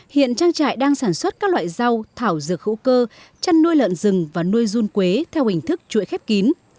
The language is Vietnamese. hiện trang trại đang sản xuất các loại rau thảo dược hữu cơ chăn nuôi lợn rừng và nuôi run quế theo hình thức chuỗi khép kín